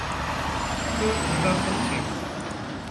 Tu li ber xwe dikevî.